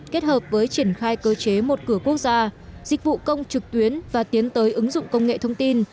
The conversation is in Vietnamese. kết hợp với triển khai cơ chế một cửa quốc gia dịch vụ công trực tuyến và tiến tới ứng dụng công nghệ thông tin